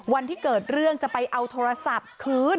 วันที่เกิดเรื่องจะไปเอาโทรศัพท์คืน